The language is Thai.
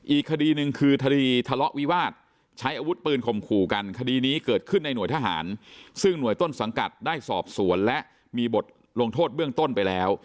อีกคดีหนึ่งคือคดีทะเลาะวิวาสใช้อาวุธปืนข่มขู่กันคดีนี้เกิดขึ้นในหน่วยทหารซึ่งหน่วยต้นสังกัดได้สอบสวนและมีบทลงโทษเบื้องต้นไปแล้ว